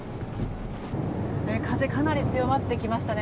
風、かなり強まってきましたね。